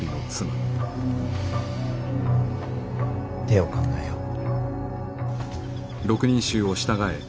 手を考えよう。